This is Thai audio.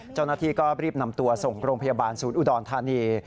เจ้าหน้าที่ก็รีบนำตัวส่งโรงพยาบาลศูนย์อุดรธานี